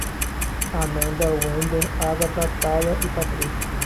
Ananda, Wender, Ágatha, Thalia e Patrik